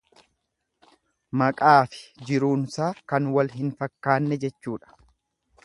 Maqaafi jiruunsaa kan wal hin fakkaanne jechuudha.